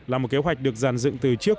là một kế hoạch được dàn dựng từ trước